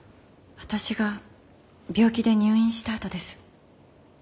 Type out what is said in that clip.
私が病気で入院したあとです。